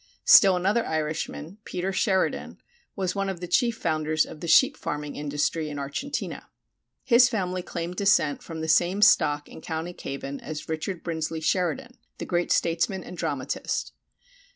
Still another Irishman, Peter Sheridan, was one of the chief founders of the sheep farming industry in Argentina. His family claimed descent from the same stock in Co. Cavan as Richard Brinsley Sheridan, the great statesman and dramatist.